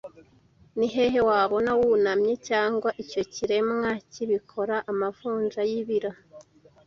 Ni hehe wabona wunamye cyangwa icyo kiremwa kibikora Amavunja yibira